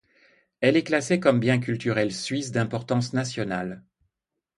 Elle est classée comme bien culturel suisse d'importance nationale.